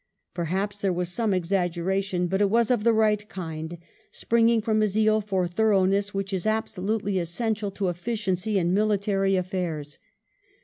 Perhaps there was some exaggeration, but it was of the right kind, springing from a zeal for thoroughness which is absolutely essential to efficiency in military affairs.